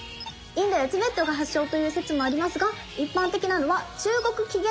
インドやチベットが発祥という説もありますが一般的なのは中国起源説。